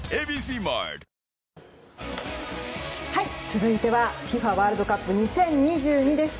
続いてはＦＩＦＡワールドカップ２０２２です。